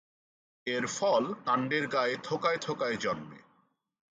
এর ফল কাণ্ডের গায়ে থোকায় থোকায় জন্মে।